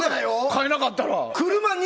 変えなかったら。